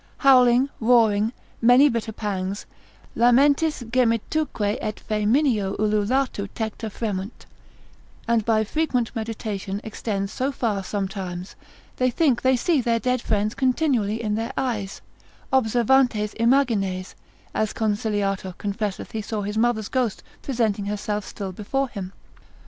howling, roaring, many bitter pangs, lamentis gemituque et faemineo ululatu Tecta fremunt) and by frequent meditation extends so far sometimes, they think they see their dead friends continually in their eyes, observantes imagines, as Conciliator confesseth he saw his mother's ghost presenting herself still before him.